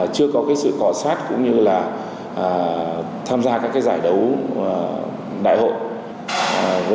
chưa có cái sự cỏ sát cũng như là tham gia các cái giải đấu đại hội